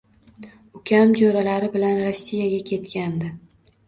Ukam joʻralari bilan Rossiyaga ketgandi